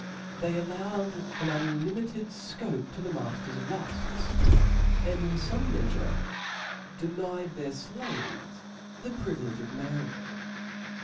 They allowed an unlimited fcbpe to the ma tter's lufts, and,' in fome meafure, denied their flaves the privilege of marrying.